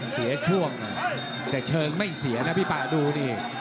เสียช่วงแต่เชิงไม่เสียนะพี่ป่าดูดิ